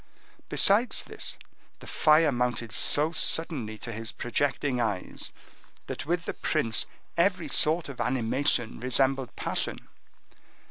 Besides this, the fire mounted so suddenly to his projecting eyes, that with the prince every sort of animation resembled passion.